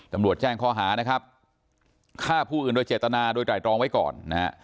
ตำรวจแจ้งข้อหานะครับฆ่าผู้อื่นโดยเจตนาโดยไตรรองไว้ก่อนนะฮะ